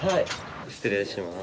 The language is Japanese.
失礼します。